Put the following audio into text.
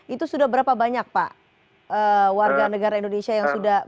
itu sudah berapa banyak pak warga negara indonesia yang sudah